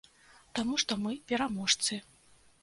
Таму што мы пераможцы.